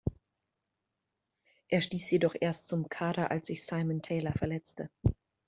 Er stieß jedoch erst zum Kader als sich Simon Taylor verletzte.